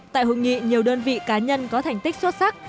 tại hội nghị nhiều đơn vị cá nhân có thành tích xuất sắc